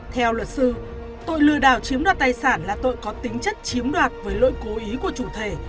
theo luật sư tội lừa đảo chiếm đoạt tài sản là tội có tính chất chiếm đoạt với lỗi cố ý của chủ thể